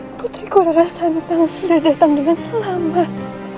putriku rara santang sudah datang dengan selamat